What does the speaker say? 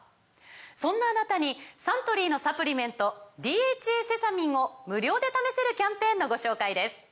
そんなあなたにサントリーのサプリメント「ＤＨＡセサミン」を無料で試せるキャンペーンのご紹介です